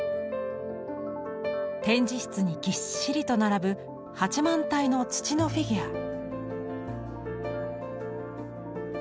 展示室にぎっしりと並ぶ８万体の土のフィギュア。